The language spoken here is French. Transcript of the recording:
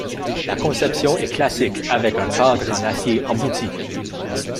La conception est classique, avec un cadre en acier embouti.